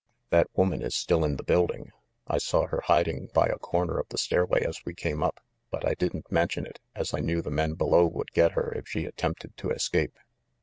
"That woman is still in the building. I saw her hiding by a corner of the stairway as we came up ; but I didn't mention it, as I knew the men below would get her if she attempted to escape."